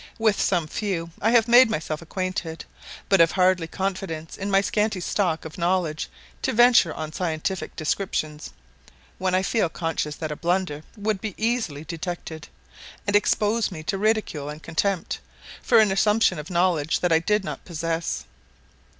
With some few I have made myself acquainted, but have hardly confidence in my scanty stock of knowledge to venture on scientific descriptions, when I feel conscious that a blunder would be easily detected, and expose me to ridicule and contempt, for an assumption of knowledge that I did not possess.